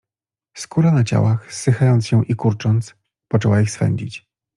Skóra na ciałach, zsychając się i kurcząc, poczęła ich swędzić.